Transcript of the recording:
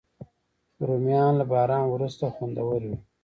رومیان له باران وروسته خوندور وي